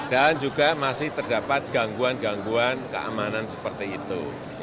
dan juga masih terdapat gangguan gangguan keamanan seperti itu